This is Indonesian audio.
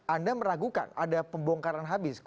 anda meragukan ada pembongkaran habis